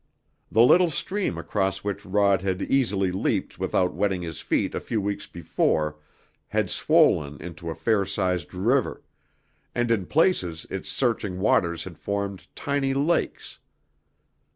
The little stream across which Rod had easily leaped without wetting his feet a few weeks before had swollen into a fair sized river, and in places its searching waters had formed tiny lakes.